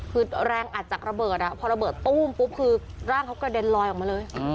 คือแรงอัดจากระเบิดพอระเบิดตู้มปุ๊บคือร่างเขากระเด็นลอยออกมาเลย